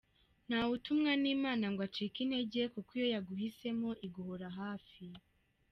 Ntawe utumwa n’Imana ngo acike intege, kuko iyo yaguhisemo, iguhora hafi.